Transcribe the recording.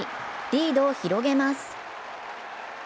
リードを広げます。